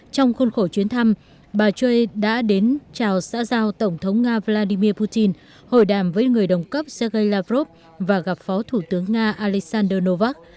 trong khuôn khổ chuyến thăm bà cho son hui đã đến trào xã giao tổng thống nga vladimir putin hội đàm với người đồng cấp sergei lavrov và gặp phó thủ tướng nga alexander novak